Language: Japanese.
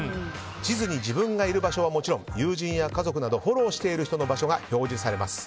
地図に自分がいる場所はもちろん友人や家族などフォローしている人の場所が表示されます。